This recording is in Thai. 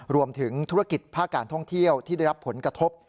รวมถึงธุรกิจภาคการท่องเที่ยวที่ได้รับผลกระทบ